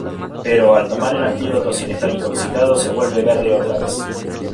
Pero, al tomar el antídoto sin estar intoxicado, se vuelve verde otra vez.